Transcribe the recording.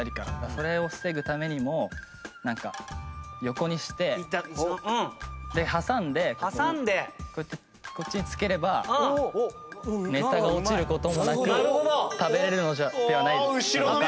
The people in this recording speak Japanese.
それを防ぐためにもなんか横にしてで挟んでこうやってこっちにつければネタが落ちる事もなく食べられるのではないでしょうか。